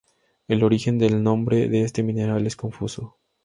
El origen del nombre de este mineral es confuso.